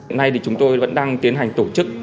hiện nay thì chúng tôi vẫn đang tiến hành tổ chức